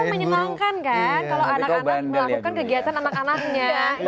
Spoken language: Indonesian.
kalau anak anak melakukan kegiatan anak anaknya